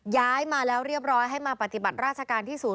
ย้ายมาแล้วเรียบร้อยให้มาปฏิบัติราชการที่ศูน